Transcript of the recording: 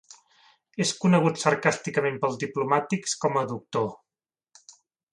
És conegut sarcàsticament pels diplomàtics com a "Dr.